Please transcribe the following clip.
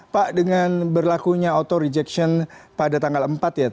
pak dengan berlakunya auto rejection pada tanggal empat ya